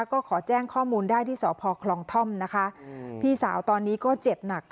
ก็ขอแจ้งข้อมูลได้ที่สพคลองท่อมนะคะพี่สาวตอนนี้ก็เจ็บหนัก